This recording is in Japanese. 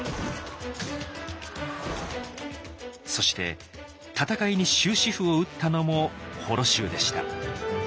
そして戦いに終止符を打ったのも母衣衆でした。